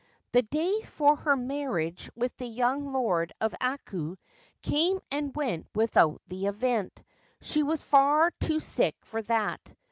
The day for her marriage with the young Lord of Ako came and went without the event ; she was far too sick for that.